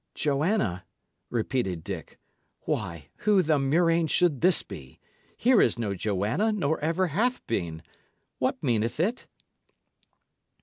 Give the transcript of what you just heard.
"Joanna!" repeated Dick. "Why, who the murrain should this be? Here is no Joanna, nor ever hath been. What meaneth it?"